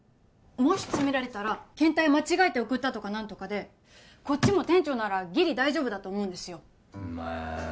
もし詰められたら検体間違えて送ったとか何とかでこっちも店長ならギリ大丈夫だと思うんですよまっ